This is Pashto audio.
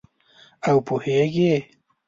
او پوهیږې